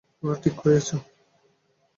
তোমরা ঠিক করিয়াছ?